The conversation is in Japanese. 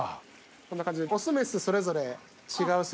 こんな感じで。